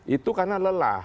itu karena lelah